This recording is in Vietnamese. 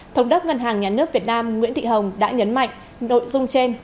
thống đốc ngân hàng nhà nước việt nam nguyễn thị hồng đã nhấn mạnh nội dung trên